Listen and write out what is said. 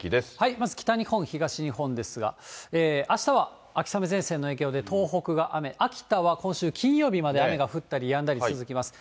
まず北日本、東日本ですが、あしたは秋雨前線の影響で東北が雨、秋田は今週金曜日まで、雨が降ったりやんだり続きます。